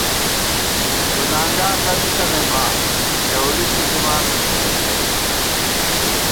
گُنانگار لَمی تَنَئیم آں، کھېؤڑی څھِزِمان بی نئ